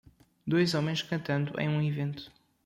Dois homens cantando em um evento.